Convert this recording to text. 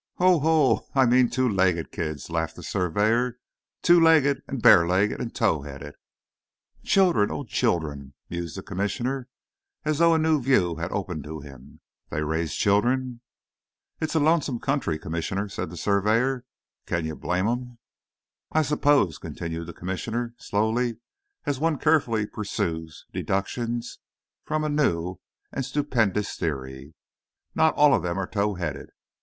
"Ho, ho! I mean two legged kids," laughed the surveyor; "two legged, and bare legged, and tow headed." "Children! oh, children!" mused the Commissioner, as though a new view had opened to him; "they raise children! "It's a lonesome country, Commissioner," said the surveyor. "Can you blame 'em?" "I suppose," continued the Commissioner, slowly, as one carefully pursues deductions from a new, stupendous theory, "not all of them are tow headed.